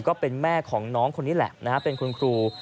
ก็เป็นแม่ของน้องคนนี้แหละนะฮะเป็นคุณครู